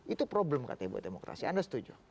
itu problem katanya buat demokrasi anda setuju